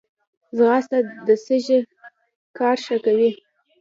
ځغاسته د سږي کار ښه کوي